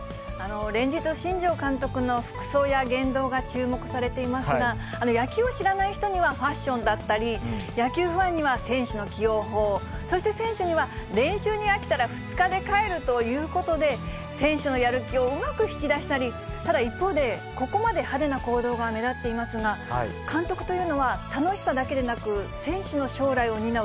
連日、新庄監督の服装や言動が注目されていますが、野球を知らない人にはファッションだったり、野球ファンには選手の起用法、そして選手には、練習に飽きたら２日で帰るということで、選手のやる気をうまく引き出したり、ただ一方で、ここまで派手な行動が目立っていますが、監督というのは、楽しさだけでなく、選手の将来を担う